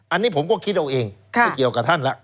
อันนี้ผมก็คิดเอาเองไม่เกี่ยวกับท่านแล้ว